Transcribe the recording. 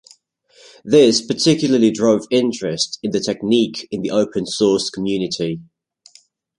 This particularly drove interest in the technique in the open source community.